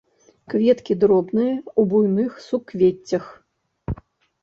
Кветкі дробныя, у буйных суквеццях.